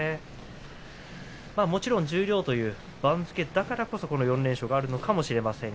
もちろん十両という番付だからこそ４連勝があるのかもしれません。